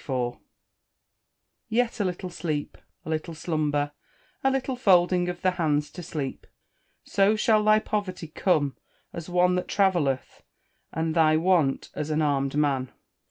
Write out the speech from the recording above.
[Verse: "Yet a little sleep, a little slumber, a little folding of the hands to sleep: So shall thy poverty come as one that travelleth; and thy want as an armed man."